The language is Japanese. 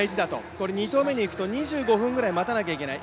これ２投目にいくと２５分ぐらい待たなきゃいけない。